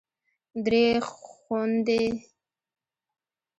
درې خوندې